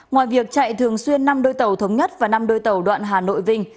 ngoài việc chạy thường xuyên năm đôi tàu thống nhất và năm đôi tàu đoạn hà nội vinh